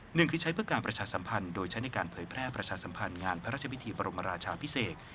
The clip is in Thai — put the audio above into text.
หนึ่งคือใช้เพื่อการประชาสัมพันธ์โดยใช้ในการเผยแพร่ประชาสัมพันธ์งานพระราชพิธีบรมราชาพิเศษ